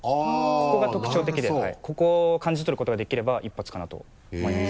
ここが特徴的でここを感じ取ることができれば一発かなと思います。